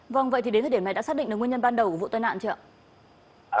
vâng vậy thì đến thời điểm này đã xác định được nguyên nhân ban đầu của vụ tai nạn chưa ạ